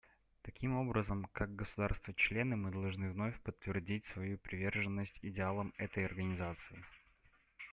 Таким образом, как государства-члены мы должны вновь подтвердить свою приверженность идеалам этой Организации.